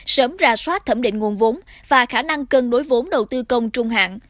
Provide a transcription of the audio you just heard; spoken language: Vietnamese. sớm ra soát thẩm định nguồn vốn và khả năng cân đối vốn đầu tư công trung hạn